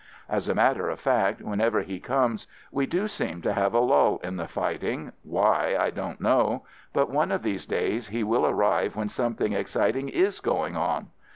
As a matter of fact, whenever he comes, we do seem to have a lull in the fighting — why, I don't know — but one of these days he will arrive when something ex citing is going on.